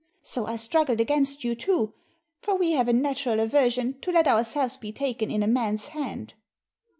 So I struggled against you too, for we have a natural aversion to let ourselves be taken in a man's hand."